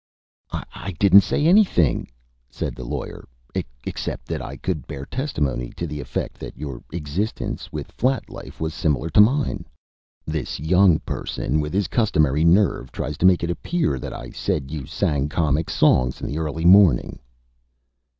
"I didn't say anything," said the lawyer, "except that I could bear testimony to the effect that your experience with flat life was similar to mine. This young person, with his customary nerve, tries to make it appear that I said you sang comic songs in the early morning."